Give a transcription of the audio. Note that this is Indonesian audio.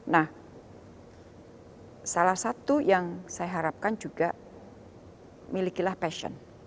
nah salah satu yang saya harapkan juga milikilah passion